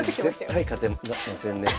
絶対勝てませんね。